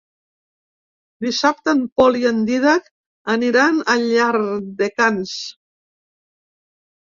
Dissabte en Pol i en Dídac aniran a Llardecans.